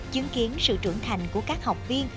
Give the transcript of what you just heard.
chứng kiến sự trưởng thành của các học viên